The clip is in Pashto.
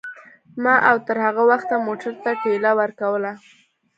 ما او تر هغه وخته موټر ته ټېله ورکوله.